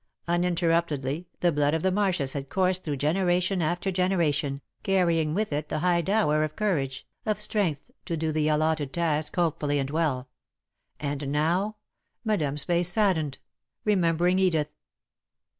Uninterruptedly the blood of the Marshs had coursed through generation after generation, carrying with it the high dower of courage, of strength to do the allotted task hopefully and well. And now Madame's face saddened, remembering Edith.